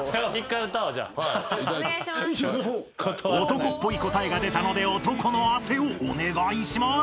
［男っぽい答えが出たので「男の汗」をお願いします］